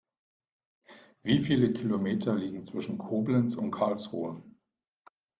Wie viele Kilometer liegen zwischen Koblenz und Karlsruhe?